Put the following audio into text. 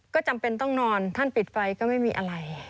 ก็จำเป็นต้องนอนท่านปิดไฟก็ไม่มีอะไร